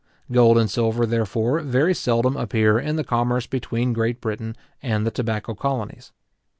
Gold and silver, therefore, very seldom appear in the commerce between Great Britain and the tobacco colonies.